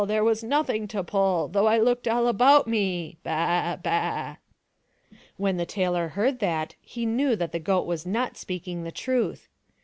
There was nothing to pull, Though 1 looked all about me — ba ! baa !" When the tailor heard that he knew the goat was not speaking the truth.